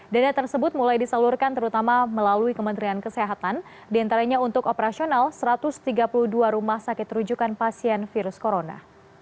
dana tersebut mulai disalurkan terutama melalui kementerian kesehatan diantaranya untuk operasional satu ratus tiga puluh dua rumah sakit rujukan pasien virus corona